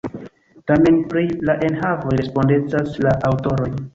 Tamen, pri la enhavoj respondecas la aŭtoroj.